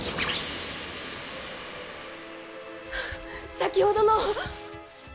先ほどの！